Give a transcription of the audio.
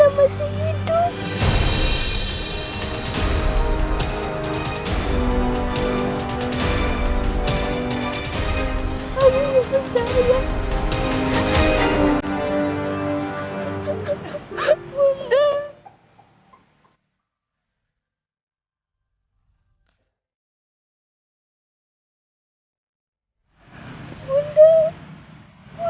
orang yang tadi siang dimakamin